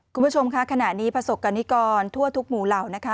คุณผู้ชมค่ะขณะนี้ประสบกรณิกรทั่วทุกหมู่เหล่านะคะ